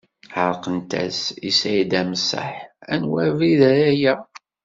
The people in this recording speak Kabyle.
Ɛerqent-as i Saɛid Amsaḥ anwa abrid ara yaɣ.